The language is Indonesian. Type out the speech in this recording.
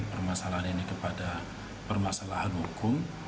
permasalahan ini kepada permasalahan hukum